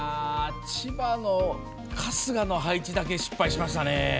千葉の春日の配置だけ失敗しましたね。